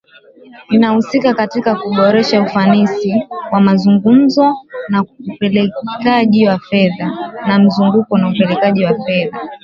inahusika katika kuboresha ufanisi wa mzunguko na upelekaji wa fedha